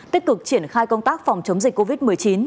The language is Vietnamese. tích cực triển khai công tác phòng chống dịch covid một mươi chín